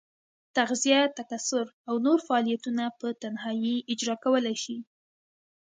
تغذیه، تکثر او نور فعالیتونه په تنهایي اجرا کولای شي.